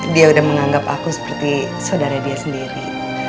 dia udah menganggap aku seperti saudara dia sendiri